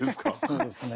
そうですね。